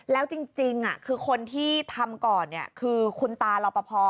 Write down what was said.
แล้วจริงคือคนที่ทำก่อนคือคุณตารอปภ